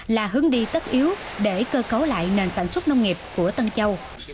là hướng đi tất yếu để cơ cấu lại nền sản xuất nông nghiệp của tân châu